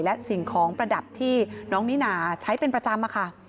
และสิ่งของประดับที่น้องนิน่าใช้เป็นประจำค่ะ